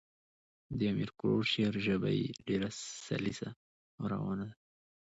د امیر کروړ شعر ژبه ئي ډېره سلیسه او روانه ده.